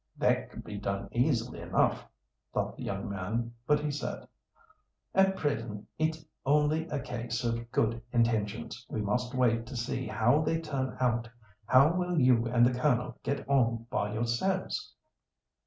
"That could be done easily enough," thought the young man; but he said: "At present it's only a case of good intentions; we must wait to see how they turn out. How will you and the Colonel get on by yourselves?"